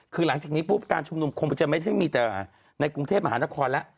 คือหลังจากนี้ปุ๊บการชุมนุมคงจะไม่ใช่มีแต่ในกรุงเทพมหานครแล้ว